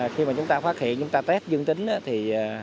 khi mà chúng ta phát hiện chúng ta test dương tính thì